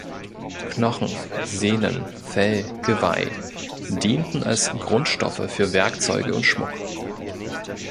Knochen, Sehnen, Fell, Geweih dienten als Grundstoffe für Werkzeuge und Schmuck.